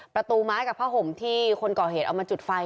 ประตูไม้กับผ้าห่มที่คนก่อเหตุเอามาจุดไฟ